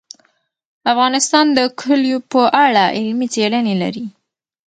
افغانستان د کلیو په اړه علمي څېړنې لري.